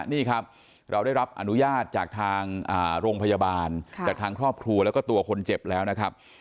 นี่ครับเราได้รับอนุญาตจากทางโรงพยาบาลจากทางครอบครัวแล้วก็ตัวคนเจ็บแล้วนะครับ